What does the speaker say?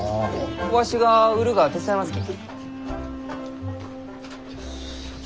わしが売るが手伝いますき。